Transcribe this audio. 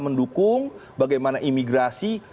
mendukung bagaimana imigrasi